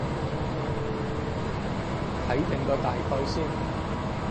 睇定個大概先